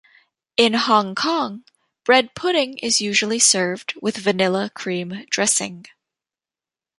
In Hong Kong, bread pudding is usually served with vanilla cream dressing.